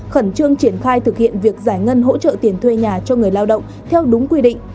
khẩn trương triển khai thực hiện việc giải ngân hỗ trợ tiền thuê nhà cho người lao động theo đúng quy định